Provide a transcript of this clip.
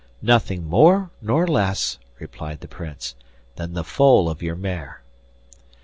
'Nothing more nor less,' replied the Prince, 'than the foal of your mare.